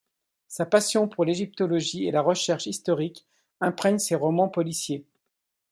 Sa passion pour l’égyptologie et la recherche historique imprègne ses romans policiers.